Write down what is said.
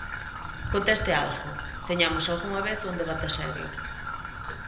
Conteste a algo, teñamos algunha vez un debate serio.